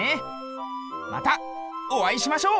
またおあいしましょう。